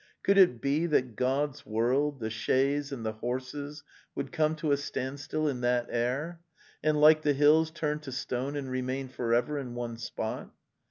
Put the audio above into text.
Could it be that God's world, the chaise and the horses would come to a standstill in that air, and, like the hills, turn to stone and remain for ever in one spot?